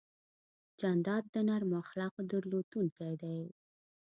جانداد د نرمو اخلاقو درلودونکی دی.